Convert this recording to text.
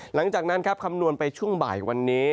หลังจากนั้นครับคำนวณไปช่วงบ่ายวันนี้